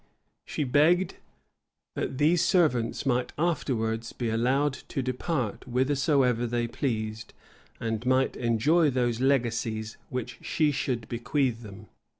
She begged that these servants might afterwards be allowed to depart whithersoever they pleased, and might enjoy those legacies which she should bequeath them.